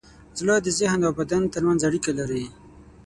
زړه د ذهن او بدن ترمنځ اړیکه لري.